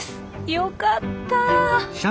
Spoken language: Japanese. よかった。